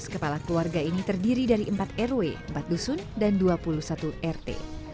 tujuh ratus kepala keluarga ini terdiri dari empat rw empat dusun dan dua puluh satu rt